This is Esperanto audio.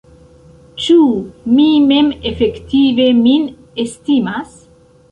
Ĉu mi mem efektive min estimas?